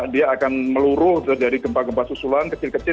dia akan meluruh terjadi gempa gempa susulan kecil kecil